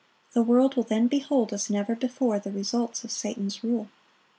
The world will then behold, as never before, the results of Satan's rule.